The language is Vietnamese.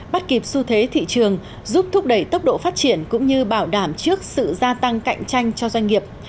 bắt kịp xu thế thị trường giúp thúc đẩy tốc độ phát triển cũng như bảo đảm trước sự gia tăng cạnh tranh cho doanh nghiệp